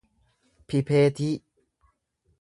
pipeetii